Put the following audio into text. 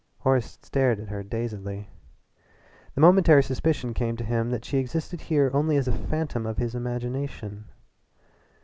Horace stared at her dazedly. The momentary suspicion came to him that she existed there only as a phantom of his imagination.